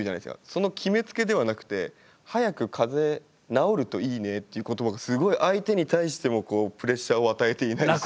その決めつけではなくて「早く風邪治るといいね」っていう言葉がすごい相手に対してもプレッシャーを与えていないし。